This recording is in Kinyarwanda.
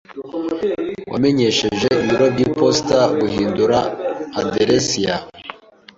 Wamenyesheje ibiro byiposita guhindura aderesi yawe?